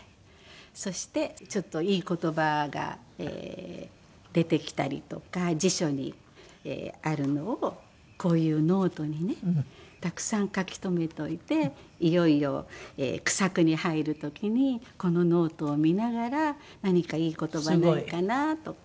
そしてちょっといい言葉が出てきたりとか辞書にあるのをこういうノートにねたくさん書き留めといていよいよ句作に入る時にこのノートを見ながら何かいい言葉ないかな？とか。